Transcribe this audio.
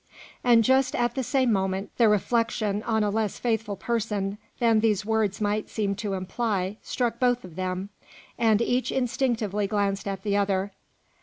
And just at the same moment the reflection on a less faithful person that these words might seem to imply struck both of them, and each instinctively glanced at the other.